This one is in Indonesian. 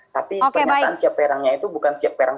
tapi pernyataan siap perangnya itu bukan siap perang